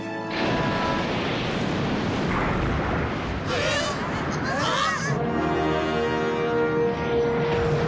えっ！？あっ。